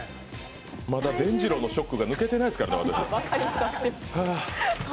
まだでんじろうのショックが抜けてないですからね。